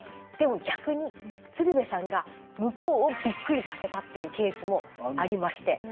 でも逆に鶴瓶さんが向こうをびっくりさせたっていうケースもありまして。